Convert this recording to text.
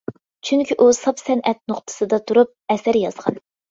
چۈنكى ئۇ ساپ سەنئەت نۇقتىسىدا تۇرۇپ ئەسەر يازغان.